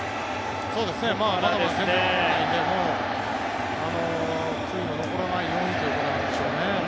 まだまだ全然わからないので悔いの残らないようにということなんでしょうね。